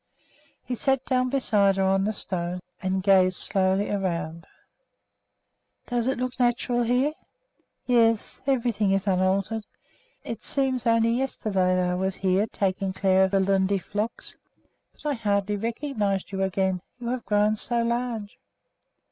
He sat down beside her on the stone and gazed slowly around. "Does it look natural here?" "Yes, everything is unaltered. It seems only yesterday that I was here taking care of the Lunde flocks. But I hardly recognized you again. You have grown so large."